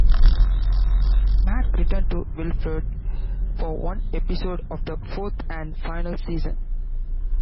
Mack returned to "Wilfred" for one episode of the fourth and final season.